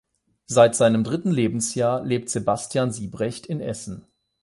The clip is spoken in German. Seit seinem dritten Lebensjahr lebt Sebastian Siebrecht in Essen.